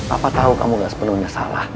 apa tahu kamu gak sepenuhnya salah